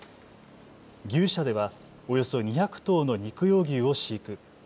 牛舎ではおよそ２００頭の肉用牛を飼育。